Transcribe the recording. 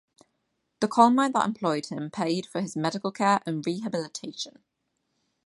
The coalmine that employed him paid for his medical care and rehabilitation.